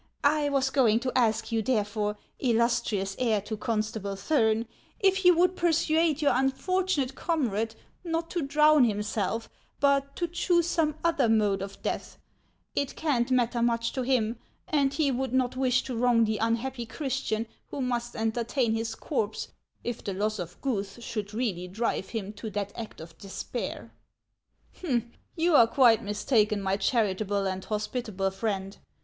I was going to ask you, therefore, illustrious heir to Constable Thurn, if you would persuade your unfortunate comrade not to drown himself, but to choose some other mode of death ; it can't matter much to him, and he would not wish to wrong the unhappy Christian who must entertain his corpse, if the loss of Guth should really drive him to that act of despair." " You are quite mistaken, my charitable and hospitable friend.